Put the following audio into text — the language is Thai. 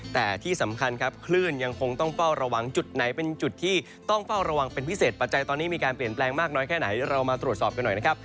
แต่ที่สำคัญครับคลื่นยังคงต้องเฝ้าระวังจุดไหนเป็นจุดที่ต้องเฝ้าระวังเป็นพิเศษปัจจัยตอนนี้มีการเปลี่ยนแปลงมากน้อยแค่ไหนเรามาตรวจสอบกันหน่อยนะครับ